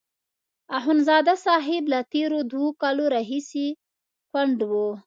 اخندزاده صاحب له تېرو دوو کالو راهیسې کونډ وو.